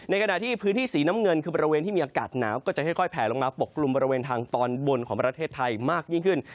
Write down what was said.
ขณะที่พื้นที่สีน้ำเงินคือบริเวณที่มีอากาศหนาวก็จะค่อยแผลลงมาปกกลุ่มบริเวณทางตอนบนของประเทศไทยมากยิ่งขึ้น